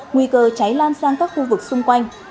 nguy cơ cháy lan sang các khu vực xung quanh